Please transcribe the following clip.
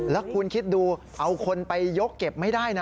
แล้วคุณคิดดูเอาคนไปยกเก็บไม่ได้นะ